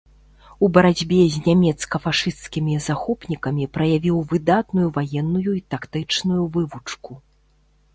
У барацьбе з нямецка-фашысцкімі захопнікамі праявіў выдатную ваенную і тактычную вывучку.